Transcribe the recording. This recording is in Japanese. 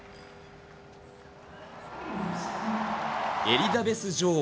エリザベス女王。